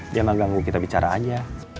dia mah ganggu kita bicara aja